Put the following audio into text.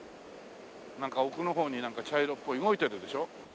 なんか奥の方に茶色っぽい動いてるでしょ？